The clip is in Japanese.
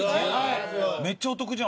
めっちゃお得じゃん！